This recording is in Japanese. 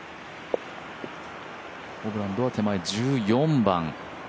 ホブランドは手前、１４番。